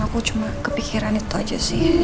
aku cuma kepikiran itu aja sih